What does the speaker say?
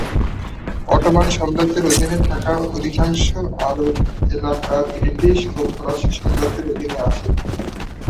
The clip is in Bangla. অটোমান সাম্রাজ্যের অধীনে থাকা অধিকাংশ আরব এলাকা ব্রিটিশ ও ফরাসি সাম্রাজ্যের অধীনে আসে।